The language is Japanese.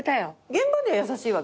現場では優しいわけ。